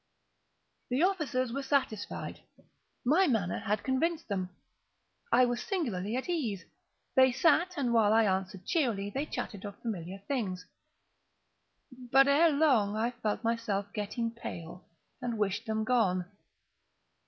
The officers were satisfied. My manner had convinced them. I was singularly at ease. They sat, and while I answered cheerily, they chatted of familiar things. But, ere long, I felt myself getting pale and wished them gone.